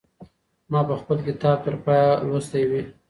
ما به خپل کتاب تر پایه لوستی وي.